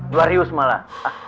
dua rius malah